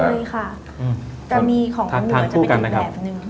ไม่เคยค่ะแต่มีของของเหนือจะเป็นอีกแหล่ะสักนึง